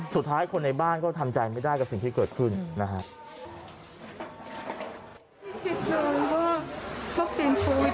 สุดท้ายคนในบ้านก็ทำใจไม่ได้กับสิ่งที่เกิดขึ้นนะครับ